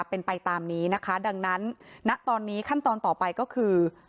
เป็นไปตามนี้นะคะดังนั้นณตอนนี้ขั้นตอนต่อไปก็คือ